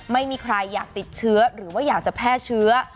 ไม่มีใครอยากติดเชื้อหรือว่าอยากจะแพร่เชื้อ